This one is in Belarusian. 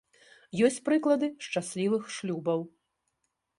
Ёсць прыклады шчаслівых шлюбаў.